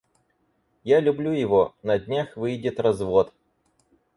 Я люблю его, на-днях выйдет развод.